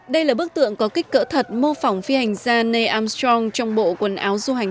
đây là bức tượng có kích cỡ thật mô phỏng phi hành gia ne armstrong trong bộ quần áo du hành